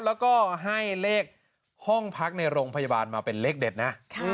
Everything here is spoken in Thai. แล้วก็ให้เลขห้องพักในโรงพยาบาลมาเป็นเลขเด็ดนะ